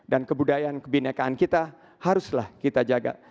dan kebudayaan kebinaikan kita haruslah kita jaga